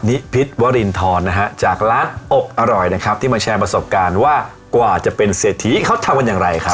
นิพิษวรินทรนะฮะจากร้านอกอร่อยนะครับที่มาแชร์ประสบการณ์ว่ากว่าจะเป็นเศรษฐีเขาทำกันอย่างไรครับ